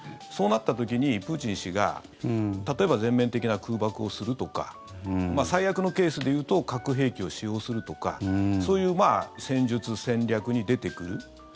そうなった時にプーチン氏が例えば全面的な空爆をするとか最悪のケースでいうと核兵器を使用するとかそういう戦術・戦略に出てくる。